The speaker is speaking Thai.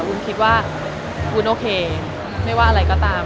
วุ้นคิดว่าวุ้นโอเคไม่ว่าอะไรก็ตาม